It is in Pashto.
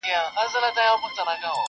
چوپ پاته وي،